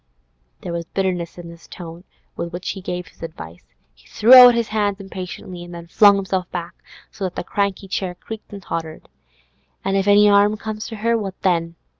There was bitterness in the tone with which he gave this advice; he threw out his hands impatiently, and then flung himself back, so that the cranky chair creaked and tottered. 'An' if 'arm comes to her, what then?